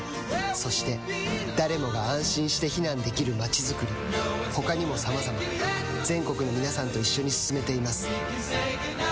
そして誰もが安心して避難できる街づくり他にもさまざま全国の皆さんと一緒に進めています